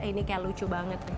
ini kayak lucu banget